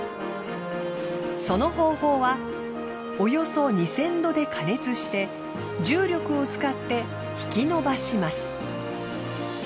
その方法はおよそ２，０００℃で加熱して重力を使って引き伸ばします。